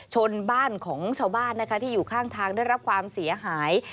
ชนบ้านของชาวบ้านนะคะที่อยู่ข้างทางได้รับความเสียหาย